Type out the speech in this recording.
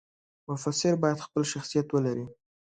مفسر باید خپل شخصیت ولري.